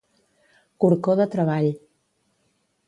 Corcó de treball.